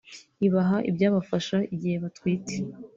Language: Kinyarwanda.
ibaha ibyabafasha igihe batwite